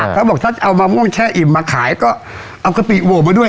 เขาบอกถ้าจะเอามะม่วงแช่อิ่มมาขายก็เอากะปิโหวมาด้วย